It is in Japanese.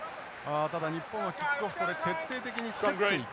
ただ日本はキックオフこれ徹底的に競っていく。